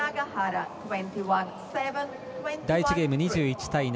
第１ゲーム２１対７。